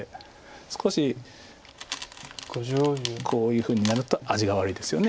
少しこういうふうになると味が悪いですよね。